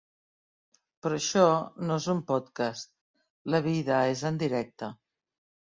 Però això no és un podcast, la vida és en directe.